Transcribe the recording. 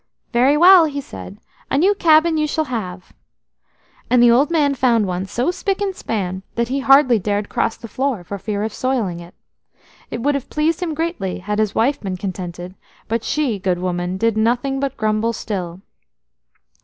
"Very well," he said, "a new cabin you shall have." And the old man found one so spick and span that he hardly dared cross the floor for fear of soiling it. It would have pleased him greatly had his wife been contented, but she, good woman, did nothing but grumble still.